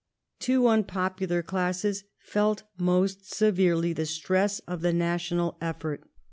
Two unpopular classes felt most severely the stress of the national effort.